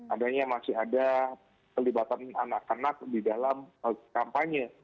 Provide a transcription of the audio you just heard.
adanya masih ada pelibatan anak anak di dalam kampanye